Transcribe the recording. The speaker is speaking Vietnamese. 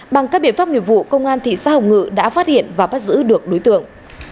bằng các biện pháp nghiệp vụ công an thị xã hồng ngự đã phát hiện và bắt giữ được đối tượng